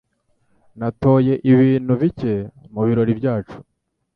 Natoye ibintu bike mubirori byacu.